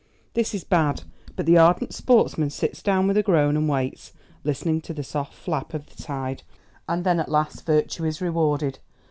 This is bad, but the ardent sportsman sits down with a groan and waits, listening to the soft lap of the tide. And then at last virtue is rewarded.